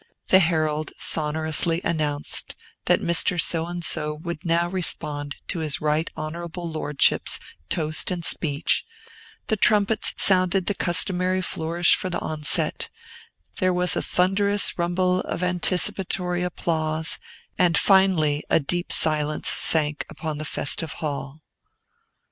The herald sonorously announced that Mr. So and so would now respond to his Right Honorable Lordship's toast and speech, the trumpets sounded the customary flourish for the onset, there was a thunderous rumble of anticipatory applause, and finally a deep silence sank upon the festive hall.